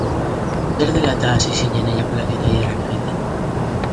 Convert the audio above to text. Zer dela-eta hasi zinen eiakulazio-tailerrak egiten?